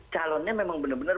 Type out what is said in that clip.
calonnya memang benar benar